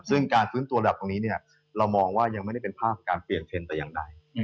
ซึ่งการฟื้นตัวระดับตรงนี้เรามองว่ายังไม่ได้เป็นภาพการเปลี่ยนเทรนด์แต่อย่างใด